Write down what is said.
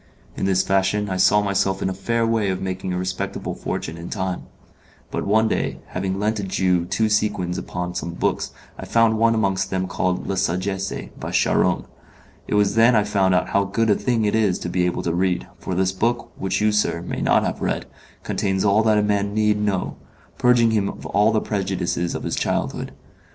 In this fashion I saw myself in a fair way of making a respectable fortune in time; but one, day, having lent a Jew two sequins upon some books, I found one amongst them called 'La Sagesse,' by Charron. It was then I found out how good a thing it is to be able to read, for this book, which you, sir, may not have read, contains all that a man need know purging him of all the prejudices of his childhood.